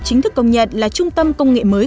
chính thức công nhận là trung tâm công nghệ mới